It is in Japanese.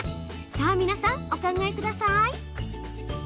さあ、皆さん、お考えください。